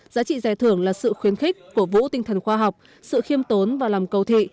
giá trị giải thưởng là sự khuyến khích cổ vũ tinh thần khoa học sự khiêm tốn và làm cầu thị